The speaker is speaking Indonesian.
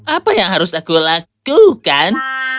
apa yang harus aku lakukan